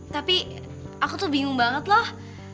tapi aku tuh bingung banget lah